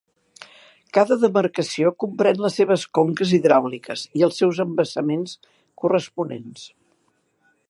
Cada demarcació comprèn les seves conques hidràuliques i els seus embassaments corresponents.